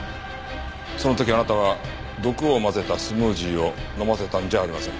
その時あなたは毒を混ぜたスムージーを飲ませたんじゃありませんか？